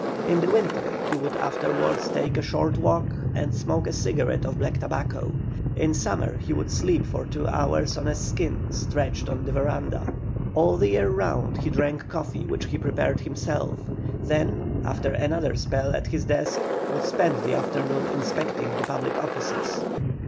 In the winter he would afterwards take a short walk and smoke a cigarette of black tobacco; in summer he would sleep for two hours on a skin stretched in the verandah. All the year round he drank coffee which he prepared himself; then, after another spell at his desk, would spend the afternoon inspecting the public offices.